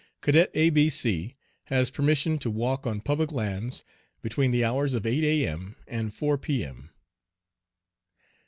Cadet A B C has permission to walk on public lands between the hours of 8 A.M. and 4 P.M.